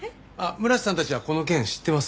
村瀬さんたちはこの件知ってます。